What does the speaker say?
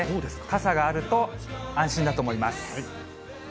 傘があると安心だと思います。